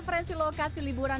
wow ini mengerikan